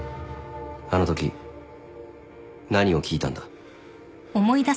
あのとき何を聞いたんだ？